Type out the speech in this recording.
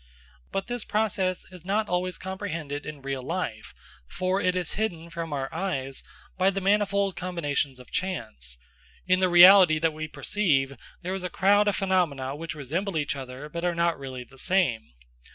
But this process is not always comprehended in real life, for it is hidden from our eyes by the manifold combinations of chance; in the reality that we perceive there is a crowd of phenomena which resemble each other but are not really the same.